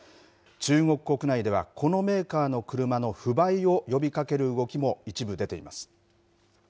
中国国内ではこのメーカーの車の不買を呼びかける動きも一部出ています。